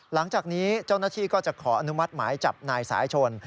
หลังจากนี้เจ้าหน้าที่ก็จะขออนุมัติหมายจับนายสายชน